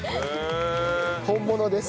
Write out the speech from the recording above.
本物です。